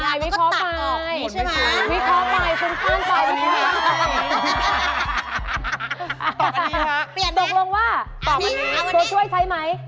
ตัวตัวนี้ตัวตัวนี้ตัวมันใช่ไหม